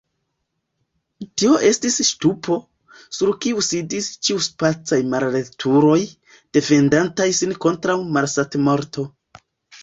Tio estis ŝtupo, sur kiu sidis ĉiuspecaj mallertuloj, defendantaj sin kontraŭ malsatmorto.